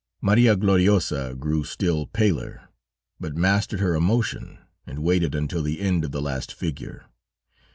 Maria Gloriosa grew still paler, but mastered her emotion and waited until the end of the last figure.